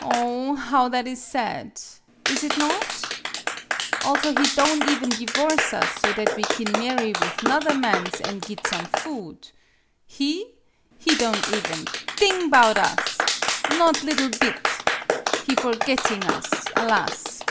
Oh, bow that is sad ! Is it not ? Also, he don' even divorce us, so that we kin marry with 'nother mans an' git some food. He ? He don' even thing 'bout it! Not liddle bit! He forgitting us alas!